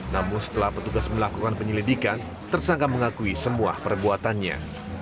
namun setelah petugas melakukan penyelidikan tersangka mengakui semua perbuatannya